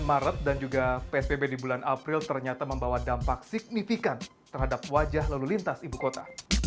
maret dan juga psbb di bulan april ternyata membawa dampak signifikan terhadap wajah lalu lintas ibu kota